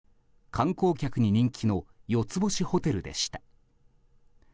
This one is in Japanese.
観光客に人気の４つ星ホテルでした。